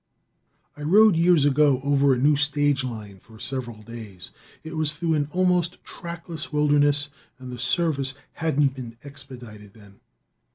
I rode, years ago, over a new stage line for several days. It was through an almost trackless wilderness, and the service hadn't been "expedited" then.